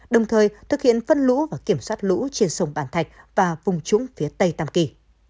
đồng thời thực hiện phân lũ và kiểm soát lũ trên sông bản thạch và vùng trũng phía tây tam kỳ